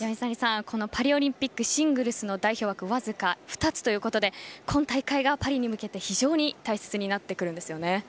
このパリオリンピックシングルスの代表枠わずか２つということで今大会がパリに向けて非常に大切になってくるんですよね。